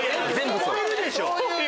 聞こえるでしょ！